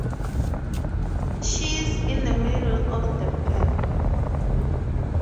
She's in the middle of the pack.